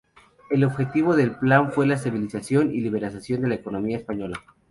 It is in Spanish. El objetivo del plan fue la estabilización y liberalización de la economía española.